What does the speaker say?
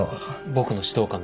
僕の指導官です。